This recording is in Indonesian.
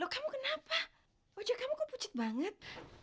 kamu kenapa ojek kamu kok pujit banget